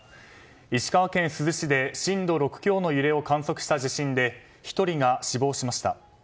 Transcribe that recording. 石川県珠洲市で震度６強の揺れを観測した地震で１人が死亡しました。